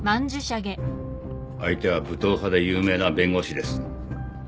相手は武闘派で有名な弁護士です。